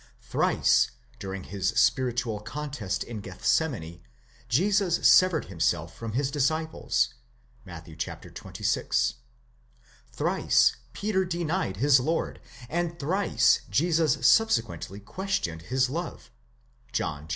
Thrice during his spiritual contest in Gethsemane Jesus severed him self from his disciples (Matt. xxvi.); thrice Peter denied his Lord, and thrice Jesus subsequently questioned his love (John xxi.).